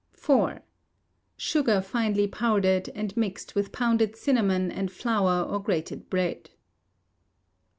iv. Sugar finely powdered, and mixed with pounded cinnamon, and flour or grated bread.